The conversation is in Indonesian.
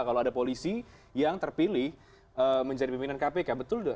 kalau ada polisi yang terpilih menjadi pimpinan kpk betul